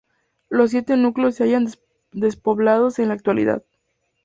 Los siete núcleos se hallan despoblados en la actualidad.